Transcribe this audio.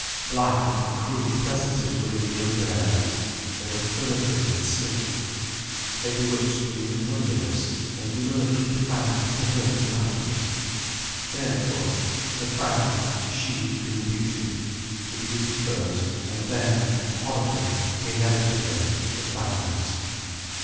Black and cruel presences were in the under air. They were furtive and slinking. They bewitched you with loveliness, and lurked with fangs to hurt you afterwards. There it was: the fangs sheathed in beauty: the beauty first, and then, horribly, inevitably, the fangs.